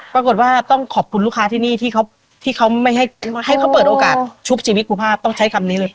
ปรากฏว่าต้องขอบคุณลูกค้าที่นี่ที่เขาไม่ให้เขาเปิดโอกาสชุบชีวิตกูภาพต้องใช้คำนี้เลย